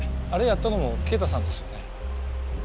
あれやったのも敬太さんですよね？